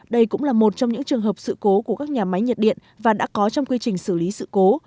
đây cũng là một trong những trường hợp sự cố của các nhà máy nhiệt điện và đã có trong quy trình xử lý sự cố